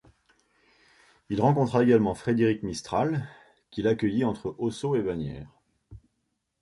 Il rencontra également Frédéric Mistral, qu'il accueillit entre Ossau et Bagnères.